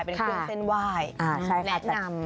เป็นเครื่องเส้นวายแนะนำ